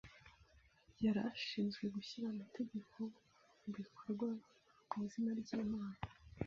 yari ashinzwe gushyira amategeko mu bikorwa mu izina ry’Imana